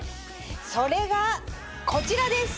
それがこちらです。